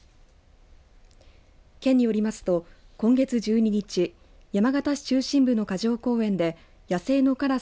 県によりますと、今月１２日山形市中心部の霞城公園で野生のからす